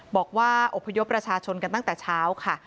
บอกว่าอบพยพประชาชนกันตั้งแต่เช้าค่ะ